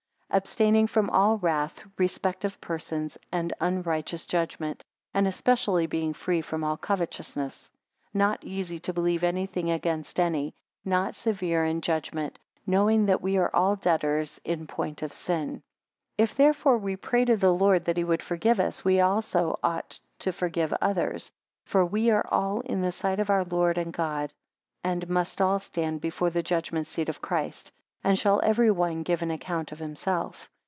16 Abstaining from all wrath, respect of persons, and unrighteous judgment; and especially being free from all covetousness. 17 Not easy to believe anything against any; not severe in judgment; knowing that we are all debtors in point of sin. 18 If therefore we pray to the Lord that he would forgive us, we ought also to forgive others; for we are all in the sight of our Lord and God; a and must all stand before the judgment seat of Christ; and shall every one give an account of himself.